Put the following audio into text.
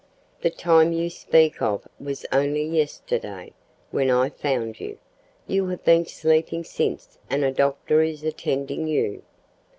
The time you speak of was only yesterday, when I found you. You have been sleeping since, and a doctor is attending you."